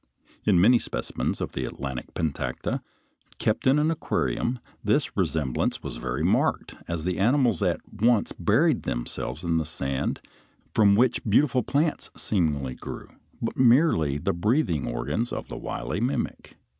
In many specimens of the Atlantic Pentacta (Fig. 58), kept in an aquarium, this resemblance was very marked, as the animals at once buried themselves in the sand from which beautiful plants seemingly grew, being merely the breathing organs of the wily mimic.